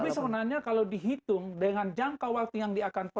tapi sebenarnya kalau dihitung dengan jangka waktu yang diakan